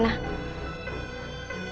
saya akan berusaha untuk mengambil reyna